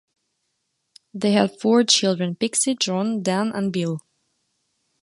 They had four children; Pixie, John, Dan and Bill.